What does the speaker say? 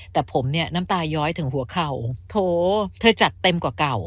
แต่ผมเนี่ยน้ำตาย้อยถึงหัวเข่าโถเธอจัดเต็มกว่าเก่า